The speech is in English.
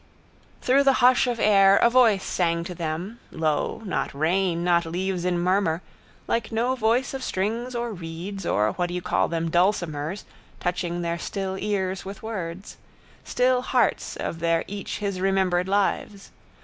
_ Through the hush of air a voice sang to them, low, not rain, not leaves in murmur, like no voice of strings or reeds or whatdoyoucallthem dulcimers touching their still ears with words, still hearts of their each his remembered lives.